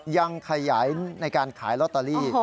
ยังขยายในการขายลอตเตอรี่